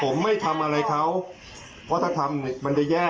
ผมไม่ทำอะไรเขาเพราะถ้าทำเนี่ยมันจะแย่